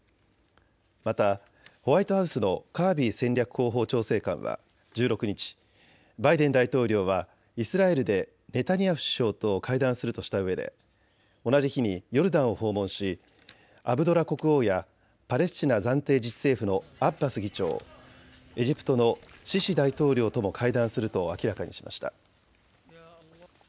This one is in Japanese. またホワイトハウスのカービー戦略広報調整官は１６日、バイデン大統領はイスラエルでネタニヤフ首相と会談するとしたうえで同じ日にヨルダンを訪問しアブドラ国王やパレスチナ暫定自治政府のアッバス議長、エジプトのシシ大統領とも会談すると明らかにしました。